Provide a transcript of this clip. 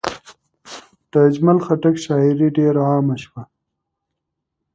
د اجمل خټک شاعري ډېر عامه شوه.